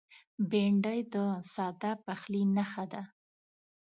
بېنډۍ د ساده پخلي نښه ده